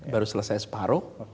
baru selesai separuh